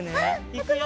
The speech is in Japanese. いくよ！